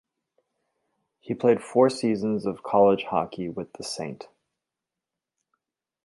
He played four seasons of college hockey with the St.